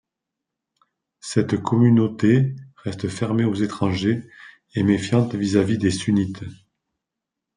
Cette communauté reste fermée aux étrangers, et méfiante vis-à-vis des sunnites.